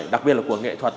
đặc biệt là của nghệ thuật